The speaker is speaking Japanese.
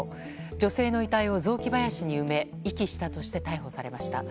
女性の遺体を雑木林に埋め遺棄したとして逮捕されました。